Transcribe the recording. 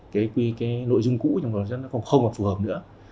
cái nội dung cũ trong đó nó không còn phù hợp nữa